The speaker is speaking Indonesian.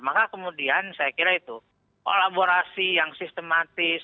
maka kemudian saya kira itu kolaborasi yang sistematis